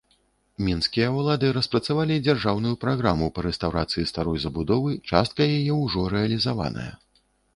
Мінскія ўлады распрацавалі дзяржаўную праграму па рэстаўрацыі старой забудовы, частка яе ўжо рэалізаваная.